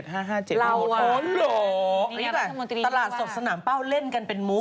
นี่แหละตลาดสดสนำเป้าเล่นกันเป็นมุค